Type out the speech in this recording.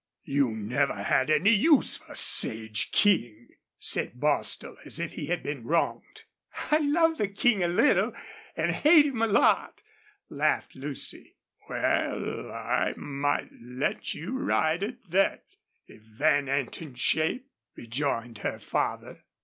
"You never had any use for Sage King," said Bostil, as if he had been wronged. "I love the King a little, and hate him a lot," laughed Lucy. "Wal, I might let you ride at thet, if Van ain't in shape," rejoined her father.